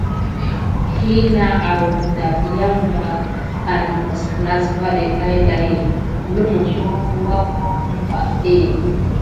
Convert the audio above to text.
Hina awək dabiaŋ va anməs nasvaɗé ɗayɗay, lumu bo wavoŋ əmpahé.